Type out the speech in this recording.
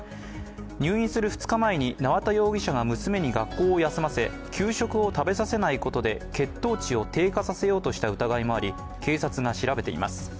入院する２日前に縄田容疑者が娘に学校を休ませ給食を食べさせないことで、血糖値を低下させようとした疑いもあり、警察が調べています。